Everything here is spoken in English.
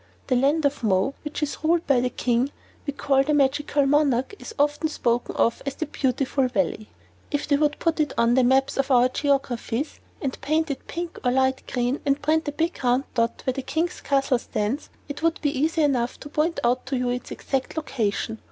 The land of Mo, which is ruled by the King we call the Magical Monarch, is often spoken of as the "Beautiful Valley." If they would only put it on the maps of our geographies and paint it pink or light green, and print a big round dot where the King's castle stands, it would be easy enough to point out to you its exact location.